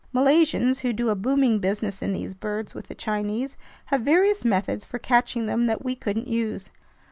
Malaysians, who do a booming business in these birds with the Chinese, have various methods for catching them that we couldn't use.